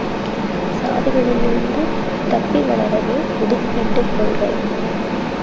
சாதிகளிலிருந்து தப்பி வளரவே ஒதுக்கீட்டுக் கொள்கை.